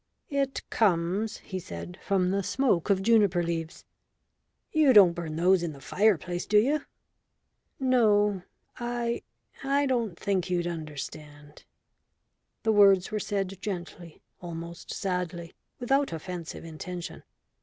"It comes," he said, "from the smoke of juniper leaves." "You don't burn those in the fireplace, do you?" "No. I I don't think you'd understand." The words were said gently, almost sadly, without offensive intention.